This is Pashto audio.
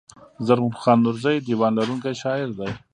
زرغون خان نورزى دېوان لرونکی شاعر دﺉ.